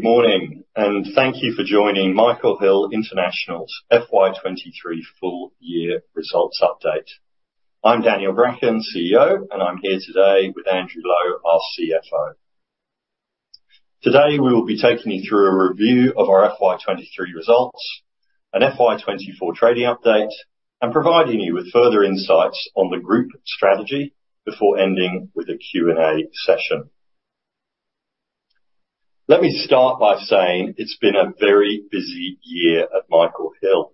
Good morning, and thank you for joining Michael Hill International's FY23 full year results update. I'm Daniel Bracken, CEO, and I'm here today with Andrew Lowe, our CFO. Today, we will be taking you through a review of our FY23 results, an FY24 trading update, and providing you with further insights on the group strategy before ending with a Q&A session. Let me start by saying it's been a very busy year at Michael Hill.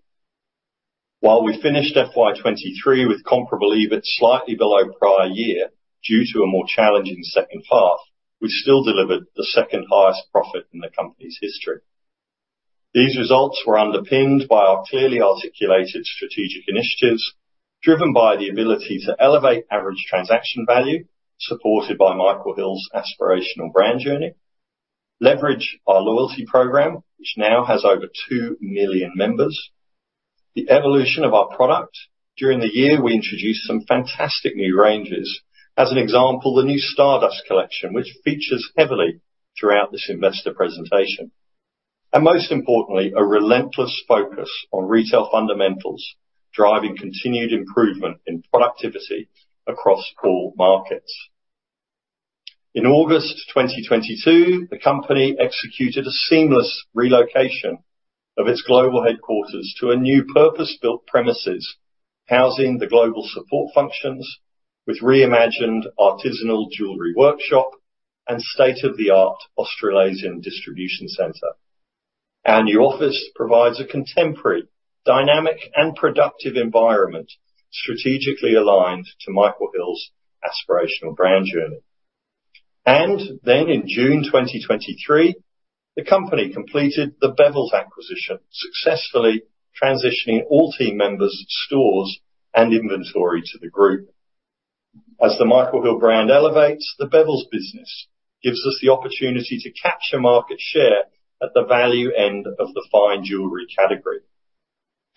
While we finished FY23 with comparable EBIT slightly below prior year, due to a more challenging second half, we still delivered the second highest profit in the company's history. These results were underpinned by our clearly articulated strategic initiatives, driven by the ability to elevate average transaction value, supported by Michael Hill's aspirational brand journey, leverage our loyalty program, which now has over 2 million members, the evolution of our product. During the year, we introduced some fantastic new ranges. As an example, the new Stardust Collection, which features heavily throughout this investor presentation. Most importantly, a relentless focus on retail fundamentals, driving continued improvement in productivity across all markets. In August 2022, the company executed a seamless relocation of its global headquarters to a new purpose-built premises, housing the global support functions with reimagined artisanal jewelry workshop and state-of-the-art Australasian distribution center. Our new office provides a contemporary, dynamic, and productive environment, strategically aligned to Michael Hill's aspirational brand journey. Then in June 2023, the company completed the Bevilles acquisition, successfully transitioning all team members, stores, and inventory to the group. As the Michael Hill brand elevates, the Bevilles business gives us the opportunity to capture market share at the value end of the fine jewelry category.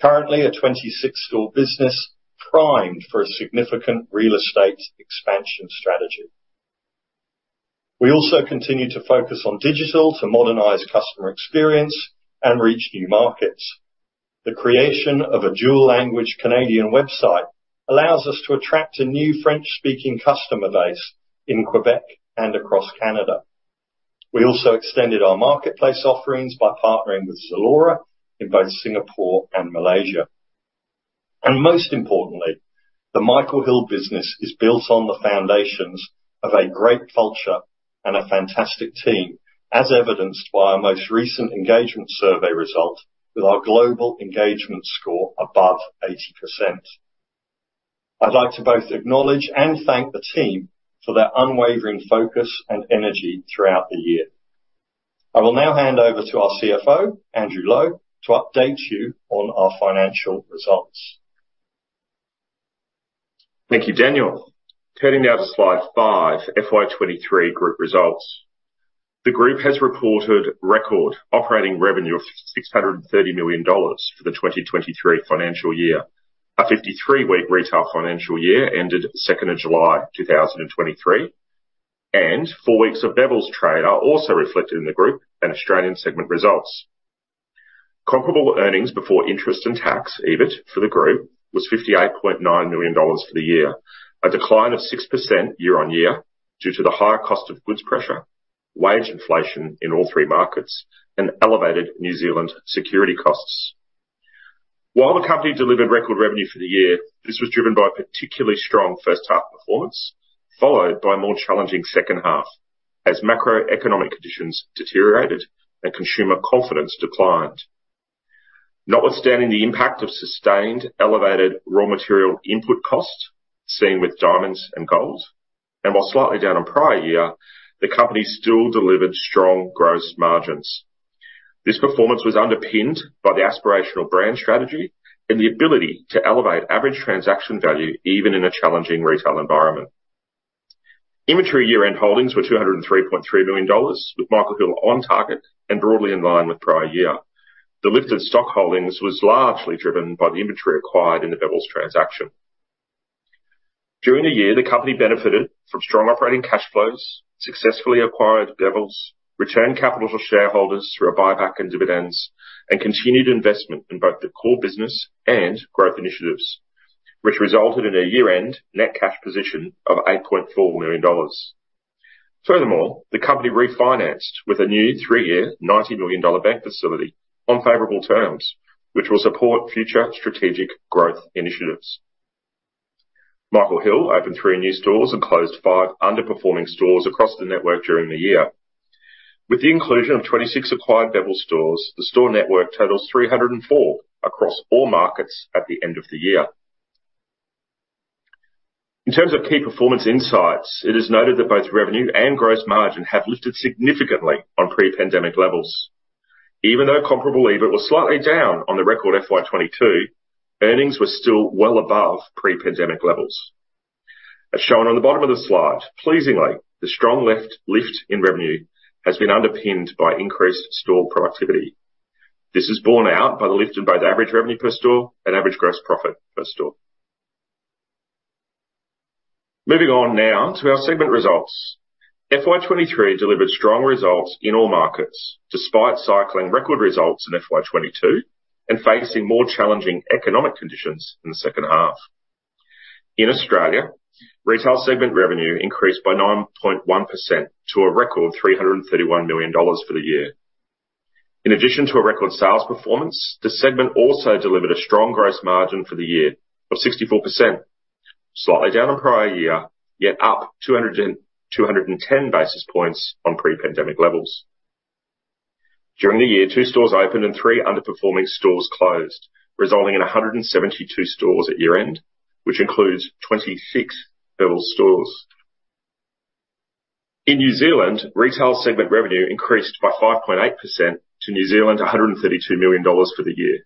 Currently, a 26-store business, primed for a significant real estate expansion strategy. We also continue to focus on digital to modernize customer experience and reach new markets. The creation of a dual language Canadian website allows us to attract a new French-speaking customer base in Quebec and across Canada. We also extended our marketplace offerings by partnering with ZALORA in both Singapore and Malaysia. Most importantly, the Michael Hill business is built on the foundations of a great culture and a fantastic team, as evidenced by our most recent engagement survey results with our global engagement score above 80%. I'd like to both acknowledge and thank the team for their unwavering focus and energy throughout the year. I will now hand over to our CFO, Andrew Lowe, to update you on our financial results. Thank you, Daniel. Turning now to slide 5, FY23 group results. The group has reported record operating revenue of 630 million dollars for the 2023 financial year. A 53-week retail financial year ended July 2, 2023, and 4 weeks of Bevilles trade are also reflected in the group and Australian segment results. Comparable earnings before interest and tax, EBIT, for the group was 58.9 million dollars for the year, a decline of 6% year-on-year, due to the higher cost of goods pressure, wage inflation in all three markets, and elevated New Zealand security costs. While the company delivered record revenue for the year, this was driven by a particularly strong first half performance, followed by a more challenging second half, as macroeconomic conditions deteriorated and consumer confidence declined. Notwithstanding the impact of sustained elevated raw material input costs, seen with diamonds and gold, and while slightly down on prior year, the company still delivered strong gross margins. This performance was underpinned by the aspirational brand strategy and the ability to elevate average transaction value, even in a challenging retail environment. Inventory year-end holdings were 203.3 million dollars, with Michael Hill on target and broadly in line with prior year. The lifted stock holdings was largely driven by the inventory acquired in the Bevilles transaction. During the year, the company benefited from strong operating cash flows, successfully acquired Bevilles, returned capital to shareholders through a buyback and dividends, and continued investment in both the core business and growth initiatives, which resulted in a year-end net cash position of 8.4 million dollars. Furthermore, the company refinanced with a new three-year, 90 million dollar bank facility on favorable terms, which will support future strategic growth initiatives. Michael Hill opened three new stores and closed five underperforming stores across the network during the year. With the inclusion of 26 acquired Bevilles stores, the store network totals 304 across all markets at the end of the year. In terms of key performance insights, it is noted that both revenue and gross margin have lifted significantly on pre-pandemic levels. Even though comparable EBIT was slightly down on the record FY 2022, earnings were still well above pre-pandemic levels. As shown on the bottom of the slide, pleasingly, the strong lift in revenue has been underpinned by increased store productivity. This is borne out by the lift in both average revenue per store and average gross profit per store... Moving on now to our segment results. FY 2023 delivered strong results in all markets, despite cycling record results in FY 2022, and facing more challenging economic conditions in the second half. In Australia, retail segment revenue increased by 9.1% to a record AUD 331 million for the year. In addition to a record sales performance, the segment also delivered a strong gross margin for the year of 64%. Slightly down on prior year, yet up 210 basis points on pre-pandemic levels. During the year, two stores opened and three underperforming stores closed, resulting in 172 stores at year-end, which includes 26 Bevilles stores. In New Zealand, retail segment revenue increased by 5.8% to 132 million New Zealand dollars for the year.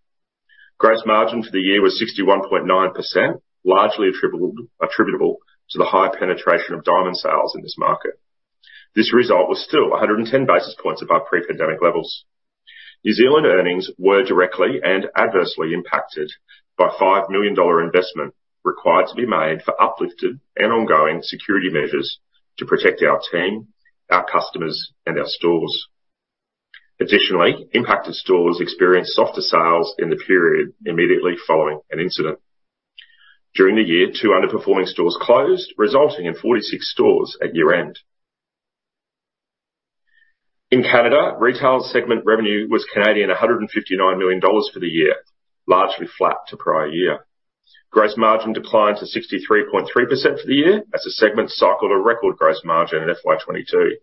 Gross margin for the year was 61.9%, largely attributable to the high penetration of diamond sales in this market. This result was still 110 basis points above pre-pandemic levels. New Zealand earnings were directly and adversely impacted by 5 million dollar investment, required to be made for uplifted and ongoing security measures to protect our team, our customers, and our stores. Additionally, impacted stores experienced softer sales in the period immediately following an incident. During the year, two underperforming stores closed, resulting in 46 stores at year-end. In Canada, retail segment revenue was 159 million Canadian dollars for the year, largely flat to prior year. Gross margin declined to 63.3% for the year, as the segment cycled a record gross margin in FY 2022.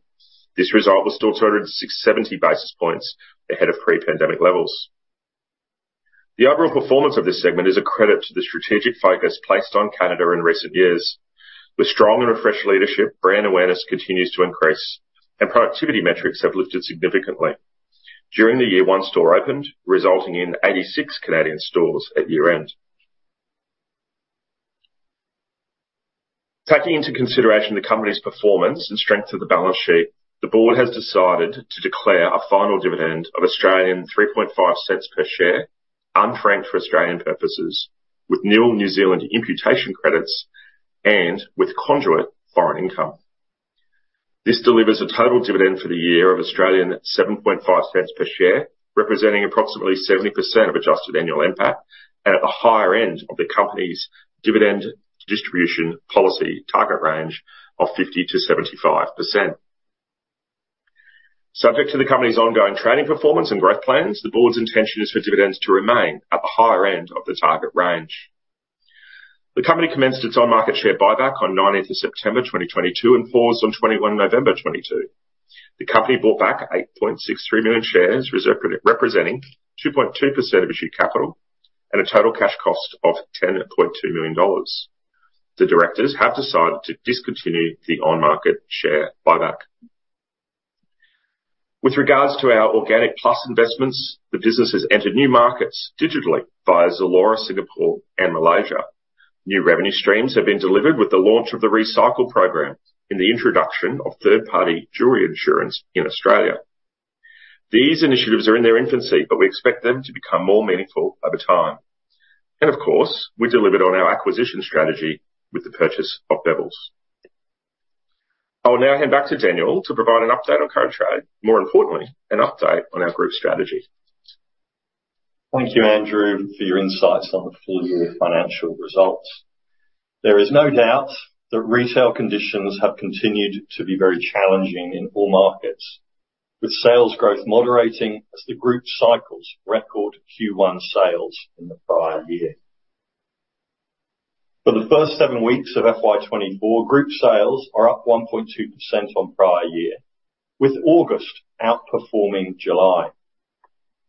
This result was still 267 basis points ahead of pre-pandemic levels. The overall performance of this segment is a credit to the strategic focus placed on Canada in recent years. With strong and refreshed leadership, brand awareness continues to increase, and productivity metrics have lifted significantly. During the year, one store opened, resulting in 86 Canadian stores at year-end. Taking into consideration the company's performance and strength of the balance sheet, the board has decided to declare a final dividend of 0.035 per share, unfranked for Australian purposes, with nil New Zealand imputation credits, and with conduit foreign income. This delivers a total dividend for the year of 0.075 per share, representing approximately 70% of adjusted annual NPAT, and at the higher end of the company's dividend distribution policy target range of 50%-75%. Subject to the company's ongoing trading performance and growth plans, the board's intention is for dividends to remain at the higher end of the target range. The company commenced its on-market share buyback on nineteenth of September 2022, and paused on twenty-one November 2022. The company bought back 8.63 million shares, representing 2.2% of issued capital, at a total cash cost of 10.2 million dollars. The directors have decided to discontinue the on-market share buyback. With regards to our organic plus investments, the business has entered new markets digitally via ZALORA, Singapore, and Malaysia. New revenue streams have been delivered with the launch of the Recycle program in the introduction of third-party jewelry insurance in Australia. These initiatives are in their infancy, but we expect them to become more meaningful over time. Of course, we delivered on our acquisition strategy with the purchase of Bevilles. I will now hand back to Daniel to provide an update on current trade, more importantly, an update on our group strategy. Thank you, Andrew, for your insights on the full year financial results. There is no doubt that retail conditions have continued to be very challenging in all markets, with sales growth moderating as the group cycles record Q1 sales in the prior year. For the first seven weeks of FY 2024, group sales are up 1.2% on prior year, with August outperforming July.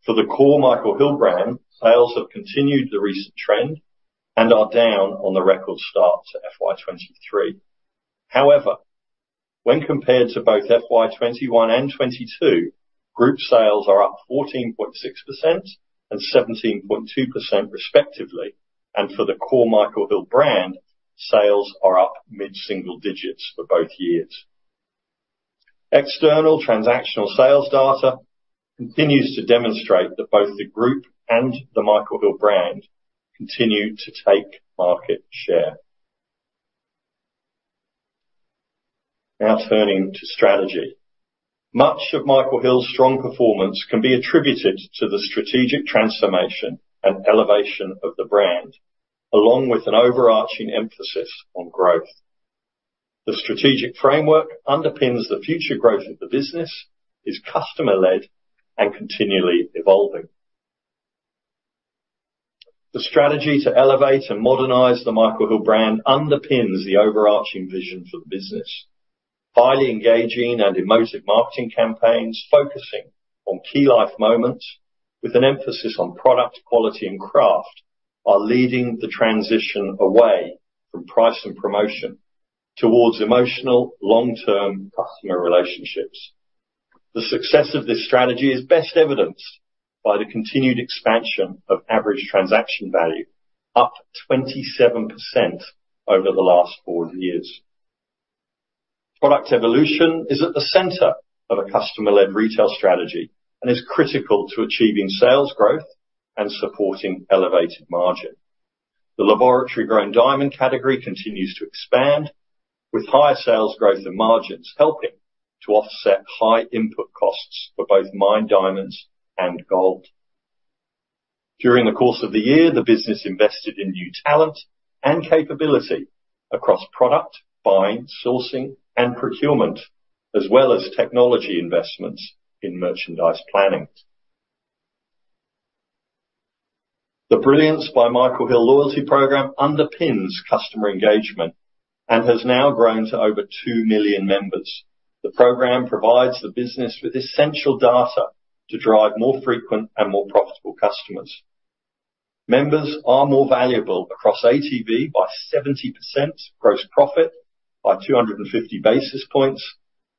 For the core Michael Hill brand, sales have continued the recent trend and are down on the record start to FY 2023. However, when compared to both FY 2021 and 2022, group sales are up 14.6% and 17.2% respectively, and for the core Michael Hill brand, sales are up mid-single digits for both years. External transactional sales data continues to demonstrate that both the group and the Michael Hill brand continue to take market share. Now, turning to strategy. Much of Michael Hill's strong performance can be attributed to the strategic transformation and elevation of the brand, along with an overarching emphasis on growth. The strategic framework underpins the future growth of the business, is customer-led, and continually evolving. The strategy to elevate and modernize the Michael Hill brand underpins the overarching vision for the business. Highly engaging and emotive marketing campaigns, focusing on key life moments with an emphasis on product, quality, and craft, are leading the transition away from price and promotion towards emotional, long-term customer relationships. The success of this strategy is best evidenced by the continued expansion of average transaction value, up 27% over the last four years.... Product evolution is at the center of a customer-led retail strategy and is critical to achieving sales growth and supporting elevated margin. The laboratory-grown diamond category continues to expand, with higher sales growth and margins helping to offset high input costs for both mined diamonds and gold. During the course of the year, the business invested in new talent and capability across product, buying, sourcing, and procurement, as well as technology investments in merchandise planning. The Brilliance by Michael Hill loyalty program underpins customer engagement and has now grown to over 2 million members. The program provides the business with essential data to drive more frequent and more profitable customers. Members are more valuable across ATV by 70%, gross profit by 250 basis points,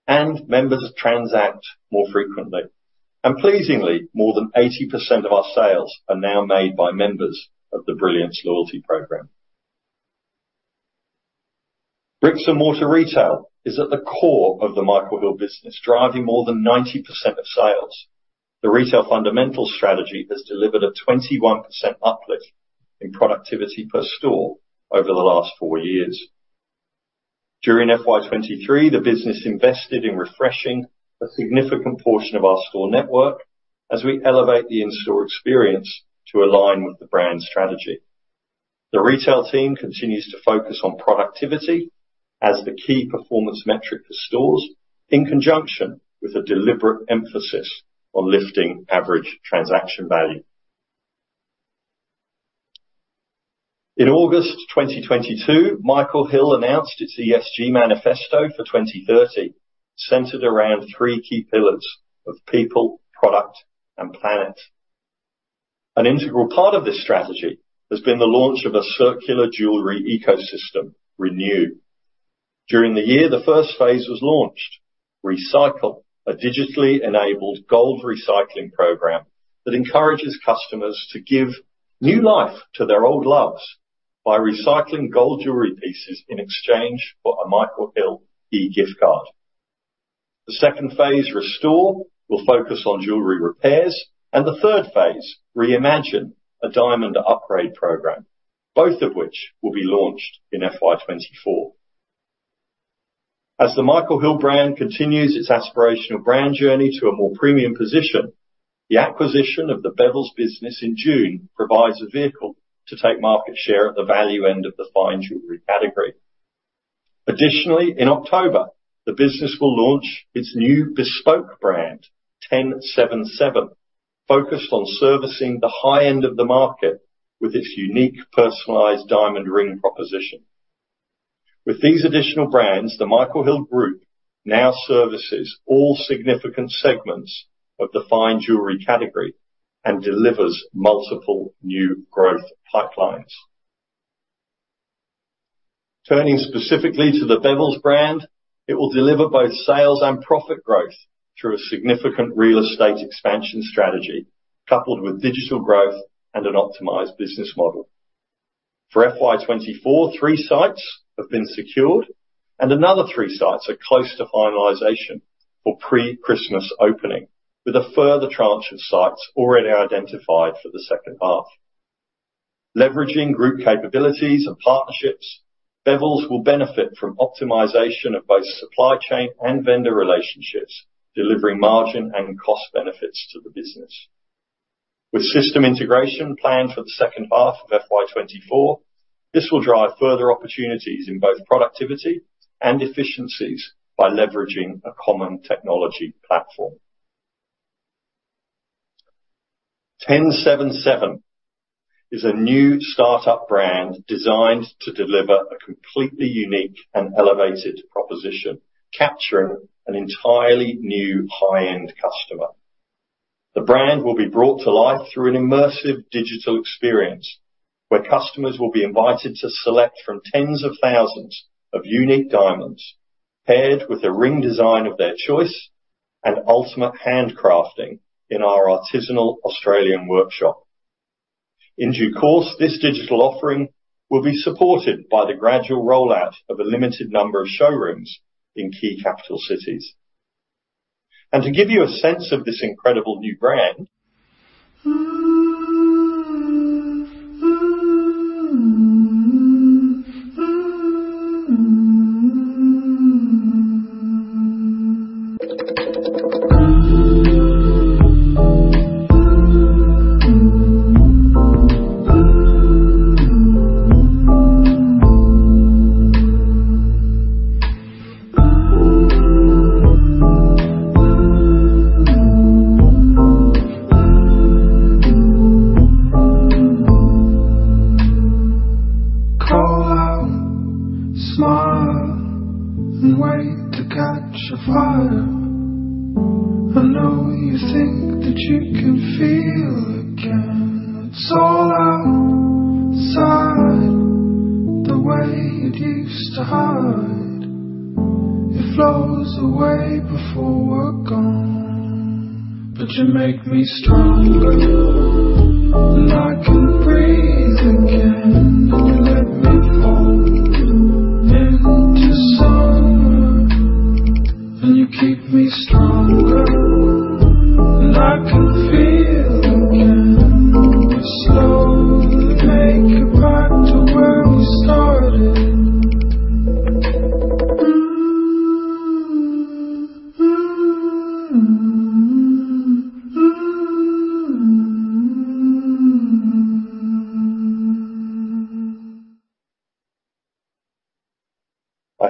and members transact more frequently. Pleasingly, more than 80% of our sales are now made by members of the Brilliance loyalty program. Bricks and mortar retail is at the core of the Michael Hill business, driving more than 90% of sales. The retail fundamental strategy has delivered a 21% uplift in productivity per store over the last four years. During FY 2023, the business invested in refreshing a significant portion of our store network as we elevate the in-store experience to align with the brand strategy. The retail team continues to focus on productivity as the key performance metric for stores, in conjunction with a deliberate emphasis on lifting average transaction value. In August 2022, Michael Hill announced its ESG manifesto for 2030, centered around three key pillars of people, product, and planet. An integral part of this strategy has been the launch of a circular jewelry ecosystem, Renew. During the year, the first phase was launched, Recycle, a digitally-enabled gold recycling program that encourages customers to give new life to their old loves by recycling gold jewelry pieces in exchange for a Michael Hill e-gift card. The second phase, Restore, will focus on jewelry repairs, and the third phase, Reimagine, a diamond upgrade program, both of which will be launched in FY 2024. As the Michael Hill brand continues its aspirational brand journey to a more premium position, the acquisition of the Bevilles business in June provides a vehicle to take market share at the value end of the fine jewelry category. Additionally, in October, the business will launch its new bespoke brand, TenSevenSeven, focused on servicing the high end of the market with its unique personalized diamond ring proposition. With these additional brands, the Michael Hill Group now services all significant segments of the fine jewelry category and delivers multiple new growth pipelines. Turning specifically to the Bevilles brand, it will deliver both sales and profit growth through a significant real estate expansion strategy, coupled with digital growth and an optimized business model. For FY 2024, 3 sites have been secured, and another 3 sites are close to finalization for pre-Christmas opening, with a further tranche of sites already identified for the second half. Leveraging group capabilities and partnerships, Bevilles will benefit from optimization of both supply chain and vendor relationships, delivering margin and cost benefits to the business. With system integration planned for the second half of FY 2024, this will drive further opportunities in both productivity and efficiencies by leveraging a common technology platform. TenSevenSeven is a new startup brand designed to deliver a completely unique and elevated proposition, capturing an entirely new high-end customer. The brand will be brought to life through an immersive digital experience, where customers will be invited to select from tens of thousands of unique diamonds, paired with a ring design of their choice and ultimate handcrafting in our artisanal Australian workshop. In due course, this digital offering will be supported by the gradual rollout of a limited number of showrooms in key capital cities. To give you a sense of this incredible new brand-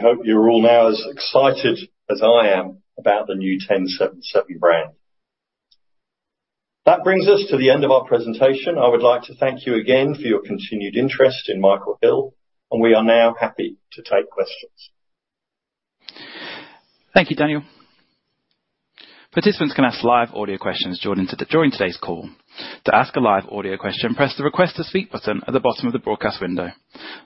I hope you're all now as excited as I am about the new TenSevenSeven brand. That brings us to the end of our presentation. I would like to thank you again for your continued interest in Michael Hill, and we are now happy to take questions. Thank you, Daniel. Participants can ask live audio questions during today's call. To ask a live audio question, press the Request to Speak button at the bottom of the broadcast window.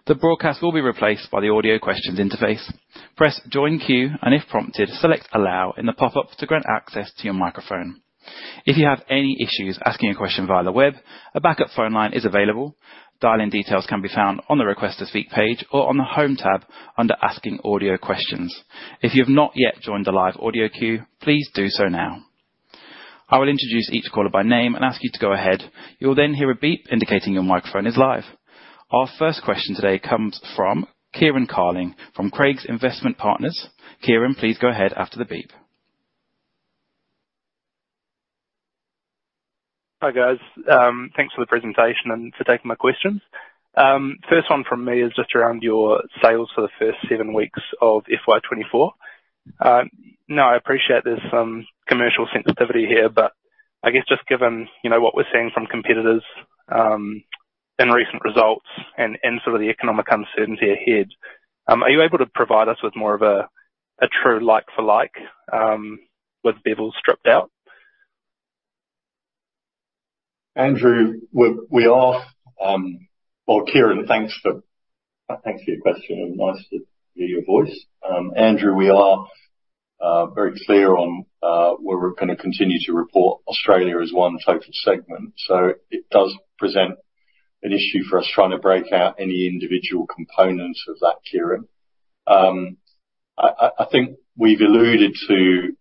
The broadcast will be replaced by the Audio Questions interface. Press Join Queue, and if prompted, select Allow in the pop-up to grant access to your microphone. If you have any issues asking a question via the web, a backup phone line is available. Dial-in details can be found on the Request to Speak page or on the Home tab under Asking Audio Questions. If you have not yet joined the live audio queue, please do so now. I will introduce each caller by name and ask you to go ahead. You'll then hear a beep indicating your microphone is live. Our first question today comes from Kieran Carling from Craigs Investment Partners. Kieran, please go ahead after the beep. Hi, guys. Thanks for the presentation and for taking my questions. First one from me is just around your sales for the first 7 weeks of FY 2024. Now, I appreciate there's some commercial sensitivity here, but I guess just given, you know, what we're seeing from competitors in recent results and some of the economic uncertainty ahead, are you able to provide us with more of a true like for like with Bevilles stripped out? Andrew, we are. Well, Kieran, thanks for your question and nice to hear your voice. Andrew, we are very clear on where we're going to continue to report Australia as one total segment, so it does present an issue for us trying to break out any individual components of that, Kieran. I think we've alluded to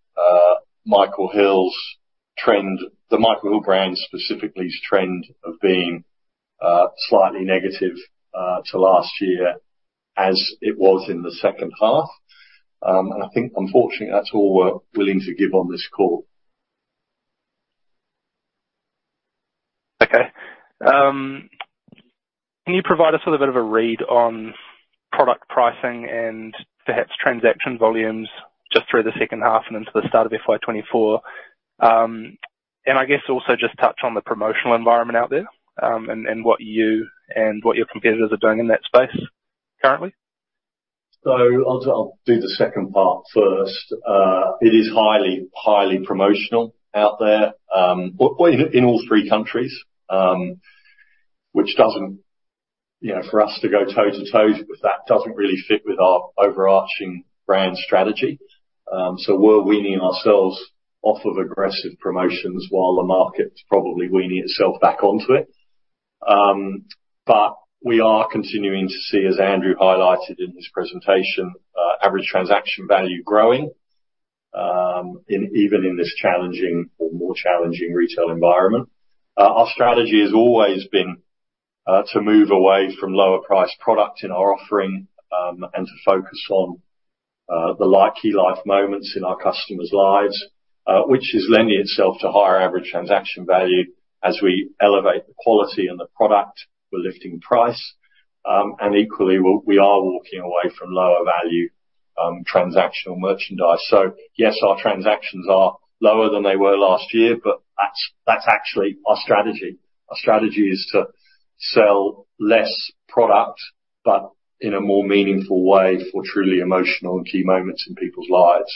Michael Hill's trend, the Michael Hill brand, specifically's trend of being slightly negative to last year as it was in the second half. And I think unfortunately, that's all we're willing to give on this call. Okay. Can you provide us with a bit of a read on product pricing and perhaps transaction volumes just through the second half and into the start of FY 2024? And I guess also just touch on the promotional environment out there, and what you and what your competitors are doing in that space currently. So I'll do the second part first. It is highly, highly promotional out there, well, in all three countries, which doesn't, you know, for us to go toe-to-toe with that, doesn't really fit with our overarching brand strategy. So we're weaning ourselves off of aggressive promotions while the market's probably weaning itself back onto it. But we are continuing to see, as Andrew highlighted in his presentation, average transaction value growing, even in this challenging or more challenging retail environment. Our strategy has always been to move away from lower priced product in our offering, and to focus on the key life moments in our customers' lives, which is lending itself to higher average transaction value. As we elevate the quality and the product, we're lifting price, and equally, we are walking away from lower value, transactional merchandise. So yes, our transactions are lower than they were last year, but that's, that's actually our strategy. Our strategy is to sell less product, but in a more meaningful way for truly emotional and key moments in people's lives.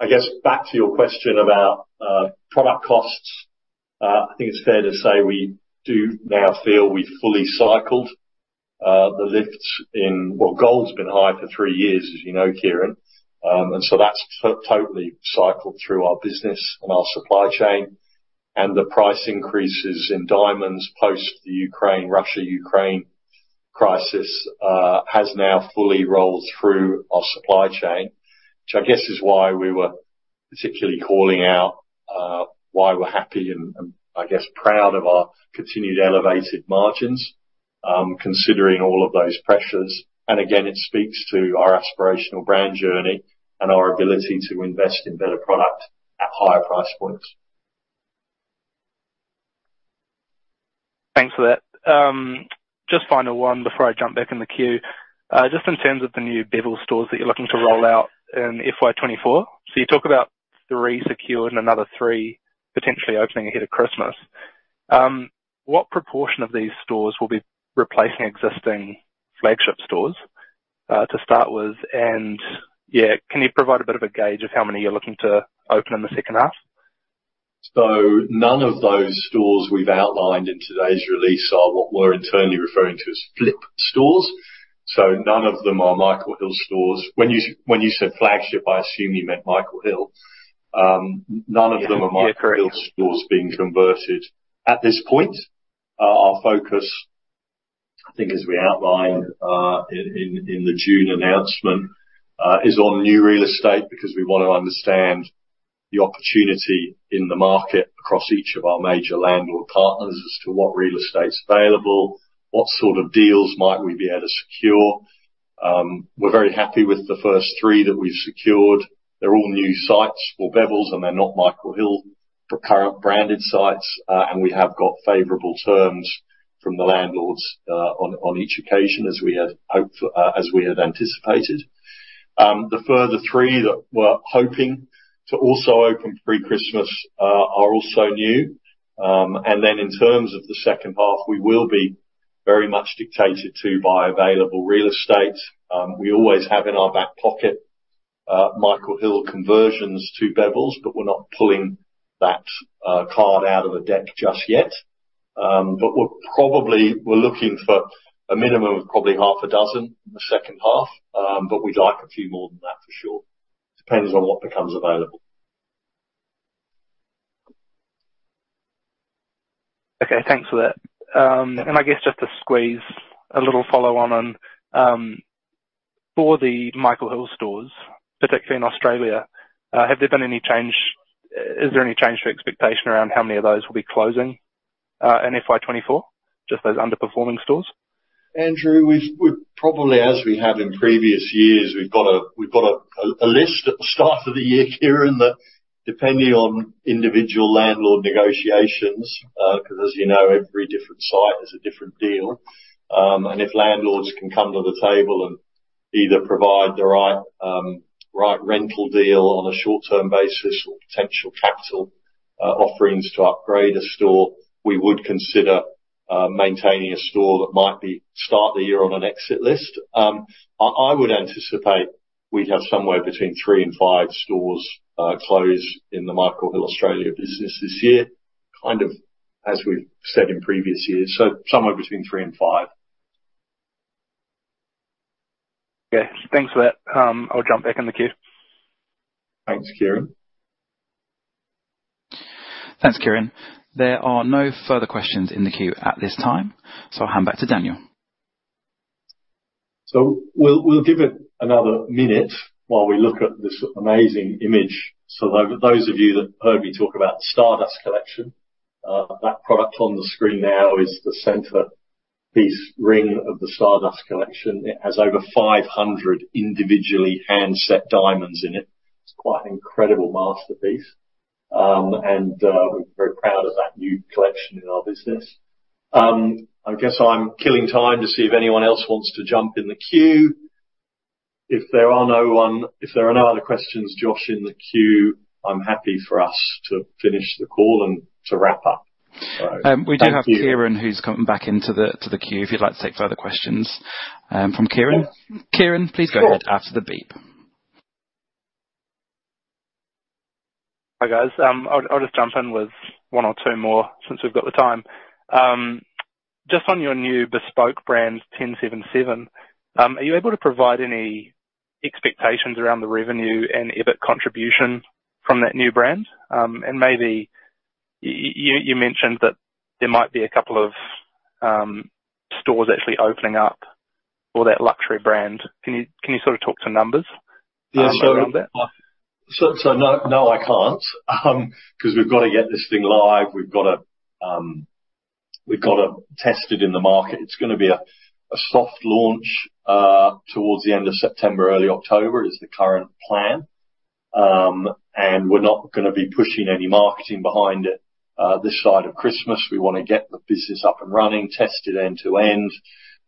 I guess back to your question about product costs. I think it's fair to say we do now feel we've fully cycled the lift in... Well, gold's been high for three years, as you know, Kieran. And so that's totally cycled through our business and our supply chain, and the price increases in diamonds post the Ukraine, Russia-Ukraine crisis has now fully rolled through our supply chain, which I guess is why we were particularly calling out why we're happy and I guess proud of our continued elevated margins, considering all of those pressures. And again, it speaks to our aspirational brand journey and our ability to invest in better product at higher price points. Thanks for that. Just final one before I jump back in the queue. Just in terms of the new Bevilles stores that you're looking to roll out in FY 2024. So you talk about three secured and another three potentially opening ahead of Christmas. What proportion of these stores will be replacing existing flagship stores, to start with? And yeah, can you provide a bit of a gauge of how many you're looking to open in the second half? So none of those stores we've outlined in today's release are what we're internally referring to as flip stores. So none of them are Michael Hill stores. When you said flagship, I assume you meant Michael Hill. None of them are Michael Hill stores being converted. At this point, our focus, I think, as we outlined, in the June announcement, is on new real estate, because we want to understand the opportunity in the market across each of our major landlord partners as to what real estate's available, what sort of deals might we be able to secure. We're very happy with the first three that we've secured. They're all new sites for Bevilles, and they're not Michael Hill for current branded sites. And we have got favorable terms from the landlords, on each occasion, as we had hope for—as we had anticipated. The further three that we're hoping to also open pre-Christmas are also new. And then in terms of the second half, we will be very much dictated to by available real estate. We always have in our back pocket Michael Hill conversions to Bevilles, but we're not pulling that card out of the deck just yet. But we're probably—we're looking for a minimum of probably half a dozen in the second half, but we'd like a few more than that, for sure. Depends on what becomes available. Okay, thanks for that. I guess just to squeeze a little follow on on for the Michael Hill stores, particularly in Australia, have there been any change? Is there any change to expectation around how many of those will be closing in FY 2024? Just those underperforming stores. Andrew, we're probably, as we have in previous years, we've got a list at the start of the year here, and depending on individual landlord negotiations, because as you know, every different site is a different deal. And if landlords can come to the table and either provide the right rental deal on a short-term basis or potential capital offerings to upgrade a store, we would consider maintaining a store that might start the year on an exit list. I would anticipate we'd have somewhere between 3 and 5 stores close in the Michael Hill Australia business this year, kind of as we've said in previous years, so somewhere between 3 and 5. Okay, thanks for that. I'll jump back in the queue. Thanks, Kieran. Thanks, Kieran. There are no further questions in the queue at this time, so I'll hand back to Daniel. So we'll give it another minute while we look at this amazing image. So those of you that heard me talk about the Stardust Collection, that product on the screen now is the centerpiece ring of the Stardust Collection. It has over 500 individually hand-set diamonds in it. It's quite an incredible masterpiece. We're very proud of that new collection in our business. I guess I'm killing time to see if anyone else wants to jump in the queue. If there are no other questions, Josh, in the queue, I'm happy for us to finish the call and to wrap up. So thank you. We do have Kieran who's coming back into the queue, if you'd like to take further questions from Kieran. Kieran, please go ahead after the beep. Sure. Hi, guys. I'll just jump in with one or two more since we've got the time. Just on your new bespoke brand, TenSevenSeven, are you able to provide any expectations around the revenue and EBIT contribution from that new brand? And maybe, you mentioned that there might be a couple of stores actually opening up for that luxury brand. Can you sort of talk to numbers around that? So, no, I can't, because we've got to get this thing live. We've got to test it in the market. It's going to be a soft launch towards the end of September, early October, is the current plan. And we're not going to be pushing any marketing behind it this side of Christmas. We want to get the business up and running, test it end to end.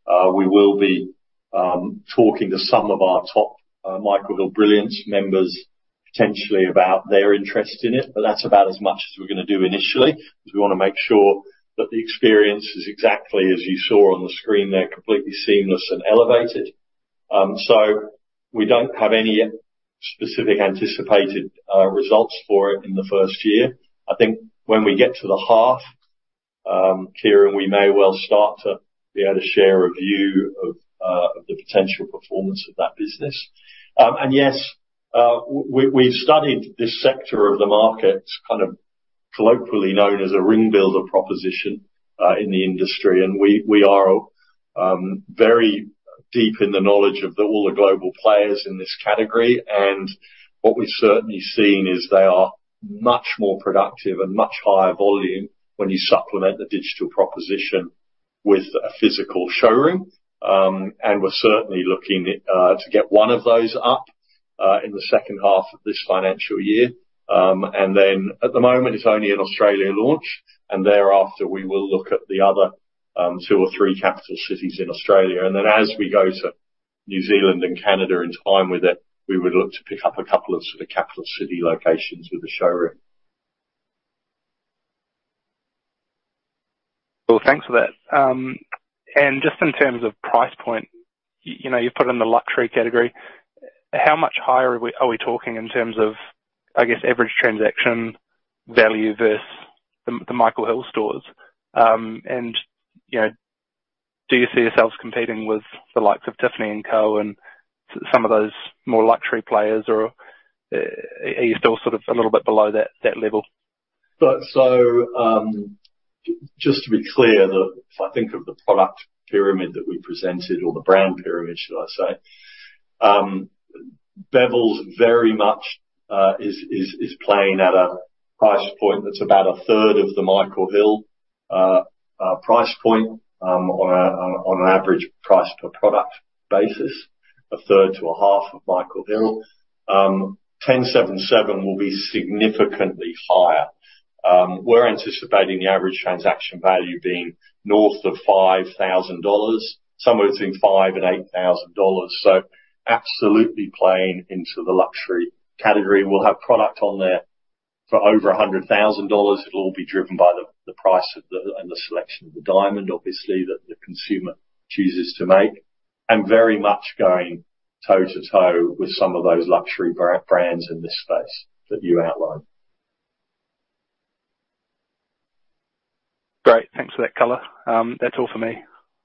We will be talking to some of our top Michael Hill Brilliance members, potentially about their interest in it, but that's about as much as we're going to do initially, because we want to make sure that the experience is exactly as you saw on the screen there, completely seamless and elevated. So we don't have any specific anticipated results for it in the first year. I think when we get to the half, Kieran, we may well start to be able to share a view of, of the potential performance of that business. And yes, we've studied this sector of the market, kind of colloquially known as a ring builder proposition, in the industry, and we, we are, very deep in the knowledge of the, all the global players in this category. And what we've certainly seen is they are much more productive and much higher volume when you supplement the digital proposition with a physical showroom. And we're certainly looking, to get one of those up, in the second half of this financial year. And then, at the moment, it's only an Australia launch, and thereafter, we will look at the other, two or three capital cities in Australia. And then as we go to New Zealand and Canada in time with it, we would look to pick up a couple of sort of capital city locations with a showroom. Cool, thanks for that. And just in terms of price point, you know, you put it in the luxury category. How much higher are we talking in terms of, I guess, average transaction value versus the Michael Hill stores? And, you know, do you see yourselves competing with the likes of Tiffany & Co. and some of those more luxury players, or are you still sort of a little bit below that level? So, just to be clear, that if I think of the product pyramid that we presented, or the brand pyramid, should I say, Bevilles very much is playing at a price point that's about a third of the Michael Hill price point, on an average price per product basis, a third to a half of Michael Hill. TenSevenSeven will be significantly higher. We're anticipating the average transaction value being north of 5,000 dollars, somewhere between 5,000 and 8,000 dollars. So absolutely playing into the luxury category. We'll have product on there for over 100,000 dollars. It'll all be driven by the price of the diamond and the selection of the diamond, obviously, that the consumer chooses to make, and very much going toe-to-toe with some of those luxury brands in this space that you outlined. Great. Thanks for that color. That's all for me,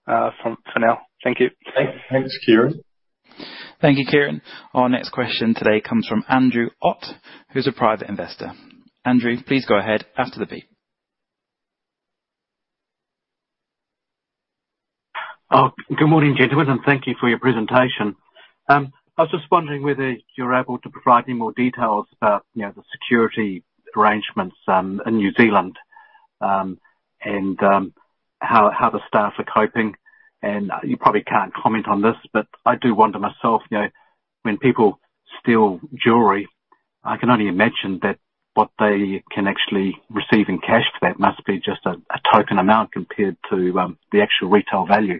for now. Thank you. Thanks, Kieran. Thank you, Kieran. Our next question today comes from Andrew Ott, who's a private investor. Andrew, please go ahead after the beep. Oh, good morning, gentlemen, and thank you for your presentation. I was just wondering whether you're able to provide any more details about, you know, the security arrangements in New Zealand, and how the staff are coping. You probably can't comment on this, but I do wonder myself, you know, when people steal jewelry, I can only imagine that what they can actually receive in cash for that must be just a token amount compared to the actual retail value.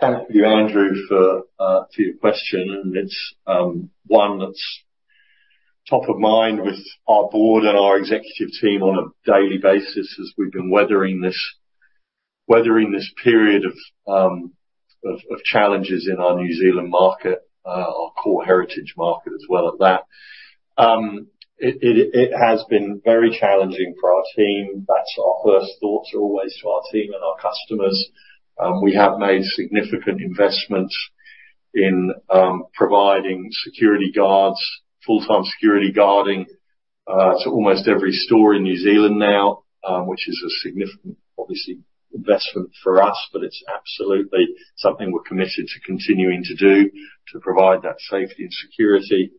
Thank you, Andrew, for your question. It's one that's top of mind with our board and our executive team on a daily basis, as we've been weathering this period of challenges in our New Zealand market, our core heritage market as well at that. It has been very challenging for our team. That's our first thoughts, are always to our team and our customers. We have made significant investments in providing security guards, full-time security guarding, to almost every store in New Zealand now, which is a significant, obviously, investment for us, but it's absolutely something we're committed to continuing to do, to provide that safety and security.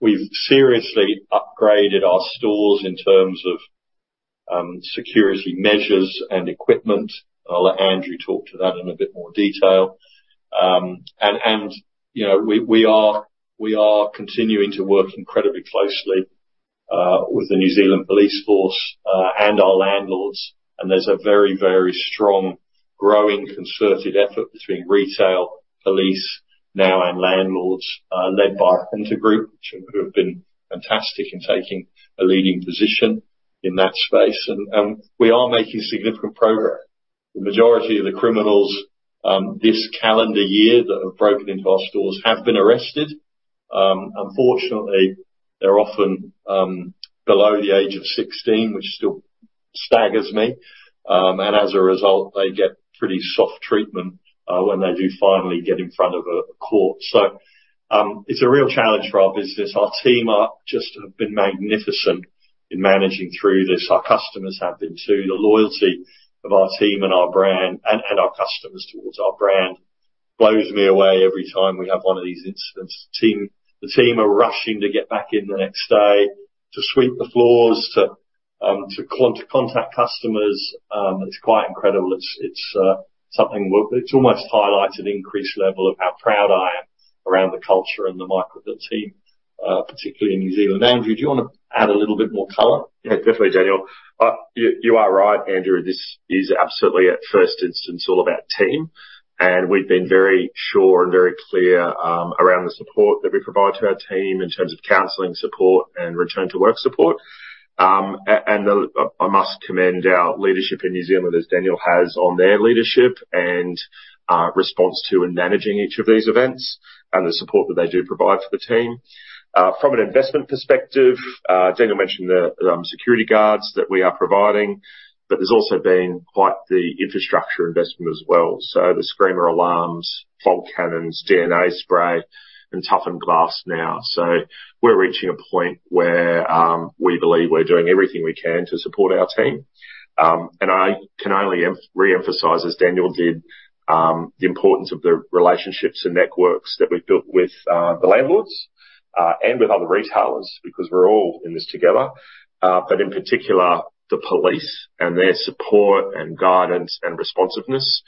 We've seriously upgraded our stores in terms of security measures and equipment. I'll let Andrew talk to that in a bit more detail. And you know, we are continuing to work incredibly closely with the New Zealand Police and our landlords, and there's a very, very strong, growing, concerted effort between retail, police now, and landlords, led by Hunter Group, who have been fantastic in taking a leading position in that space. And we are making significant progress. The majority of the criminals this calendar year that have broken into our stores have been arrested. Unfortunately, they're often below the age of 16, which still staggers me. And as a result, they get pretty soft treatment when they do finally get in front of a court. So it's a real challenge for our business. Our team are just have been magnificent in managing through this. Our customers have been, too. The loyalty of our team and our brand, and, and our customers towards our brand, blows me away every time we have one of these incidents. The team are rushing to get back in the next day, to sweep the floors, to contact customers. It's quite incredible. It's something we're - it's almost highlighted increased level of how proud I am around the culture and the Michael Hill team, particularly in New Zealand. Andrew, do you want to add a little bit more color? Yeah, definitely, Daniel. You are right, Andrew. This is absolutely, at first instance, all about team. And we've been very sure and very clear around the support that we provide to our team in terms of counseling support and return to work support. And I must commend our leadership in New Zealand, as Daniel has, on their leadership and response to and managing each of these events, and the support that they do provide for the team. From an investment perspective, Daniel mentioned the security guards that we are providing, but there's also been quite the infrastructure investment as well. So the screamer alarms, fog cannons, DNA spray, and toughened glass now. So we're reaching a point where we believe we're doing everything we can to support our team. I can only reemphasize, as Daniel did, the importance of the relationships and networks that we've built with the landlords, and with other retailers, because we're all in this together. In particular, the police and their support and guidance and responsiveness.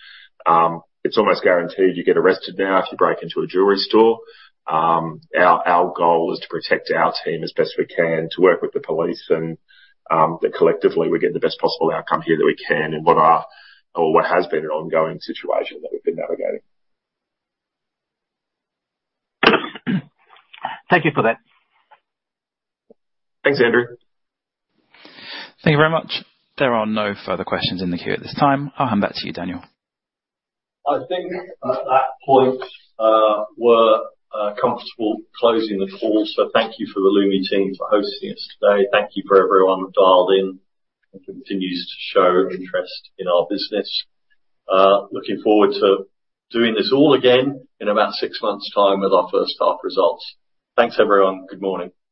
It's almost guaranteed you get arrested now if you break into a jewelry store. Our goal is to protect our team as best we can, to work with the police, and that collectively, we get the best possible outcome here that we can in what are, or what has been an ongoing situation that we've been navigating. Thank you for that. Thanks, Andrew. Thank you very much. There are no further questions in the queue at this time. I'll hand back to you, Daniel. I think at that point, we're comfortable closing the call. So thank you for the Lumi team for hosting us today. Thank you for everyone who dialed in, and continues to show interest in our business. Looking forward to doing this all again in about six months' time with our first half results. Thanks, everyone. Good morning.